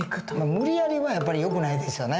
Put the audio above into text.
無理やりはやっぱりよくないですよね。